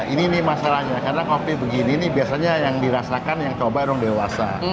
ini masalahnya karena kopi begini ini biasanya yang dirasakan yang coba orang dewasa